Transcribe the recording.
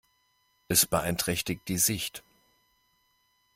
Es beeinträchtigt die Sicht.